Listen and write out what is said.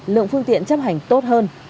lượng phương tiện chấp hành tốt hơn